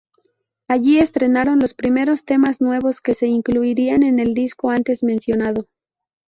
Allí estrenaron los primeros temas nuevos que se incluirían en el disco antes mencionado.